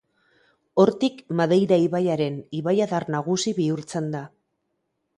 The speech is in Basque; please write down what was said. Hortik Madeira ibaiaren ibaiadar nagusi bihurtzen da.